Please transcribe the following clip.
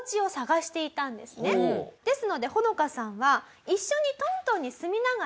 ですのでホノカさんは。